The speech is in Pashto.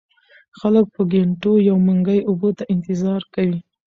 خلک په ګېنټو يو منګي اوبو ته انتظار کوي ـ